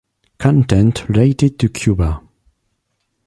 Content related to Cuba.